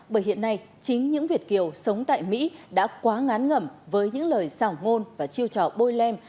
bởi hiện nay chính những việt kiều sống tại mỹ đã quá ngán ngẩm với những lời xảo ngôn và chiêu trò bôi lem